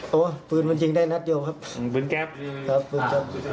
โหปืนมันยิงได้นัดเดียวครับอืม